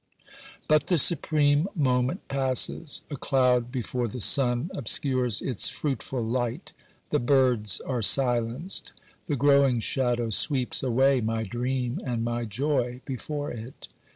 But the supreme moment passes ; a cloud before the sun obscures its fruitful light ; the birds are silenced. The growing shadow sweeps away my dream and my joy before it.